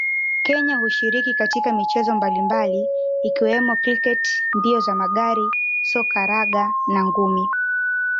Kenya hushiriki katika michezo mbalimbali ikiwemo kriketi mbio za magari soka raga na ngumi